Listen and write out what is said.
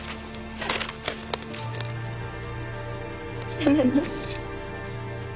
辞めます。